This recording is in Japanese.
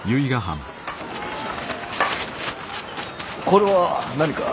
これは何か。